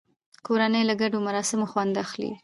کورنۍ له ګډو مراسمو خوند اخلي